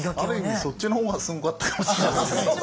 そっちの方がすごかったかもしれないね。